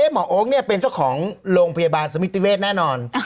หมอโอ๊คเป็นเจ้าของโรงพยาบาลสมิติเวศแน่นอน